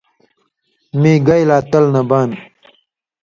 مِیں گئ لا تل نہ بان۔